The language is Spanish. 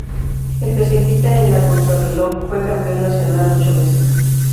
Especialista en la contrarreloj, fue campeón nacional ocho veces.